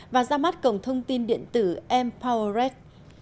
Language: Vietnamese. và ra mắt cổng thông tin điện tử empowered